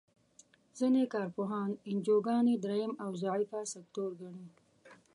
ځینې کار پوهان انجوګانې دریم او ضعیفه سکتور ګڼي.